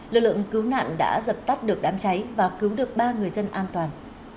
lực lượng cứu nạn đã dập tắt được đám cháy và cứu được ba người dân an toàn